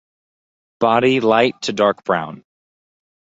Body light to dark brown.